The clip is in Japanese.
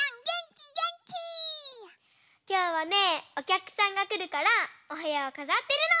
きょうはねおきゃくさんがくるからおへやをかざってるの！